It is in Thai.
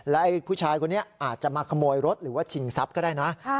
และผู้ชายคนนี้อาจจะมาขโมยรถหรือว่าชิงทรัพย์ก็ได้นะ